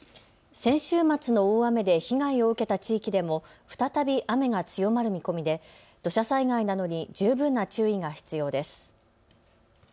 先週末の大雨で被害を受けた地域でも再び雨が強まる見込みで土砂災害などに十分な注意が必要です。